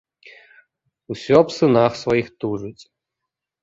Усё аб сынах сваіх тужыць.